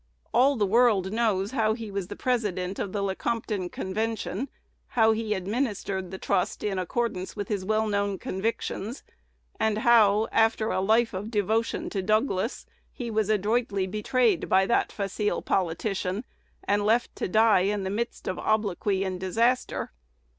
All the world knows how he was president of the Lecompton Convention; how he administered the trust in accordance with his well known convictions; and how, after a life of devotion to Douglas, he was adroitly betrayed by that facile politician, and left to die in the midst of obloquy and disaster.